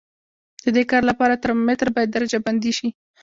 د دې کار لپاره ترمامتر باید درجه بندي شي.